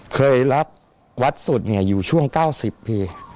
เคยรับวัดสุดเนี่ยอยู่ช่วงเก้าสิบพี่